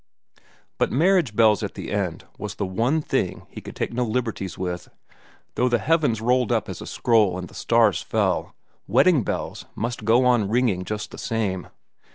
But marriage bells at the end was the one thing he could take no liberties with; though the heavens rolled up as a scroll and the stars fell, the wedding bells must go on ringing just the same.